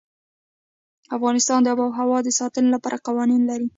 افغانستان د آب وهوا د ساتنې لپاره قوانین لري.